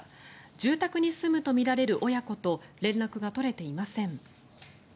住宅に住むとみられる親子と連絡が取れていません。